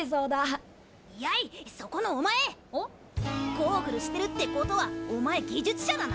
ゴーグルしてるってことはお前技術者だな！？